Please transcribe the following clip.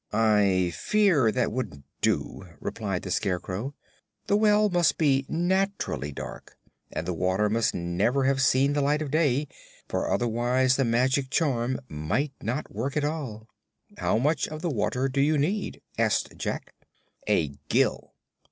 "I fear that wouldn't do," replied the Scarecrow. "The well must be naturally dark, and the water must never have seen the light of day, for otherwise the magic charm might not work at all." "How much of the water do you need?" asked Jack. "A gill."